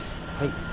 はい。